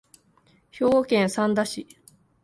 兵庫県三田市